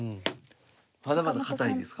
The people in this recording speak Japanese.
まだまだ堅いですか？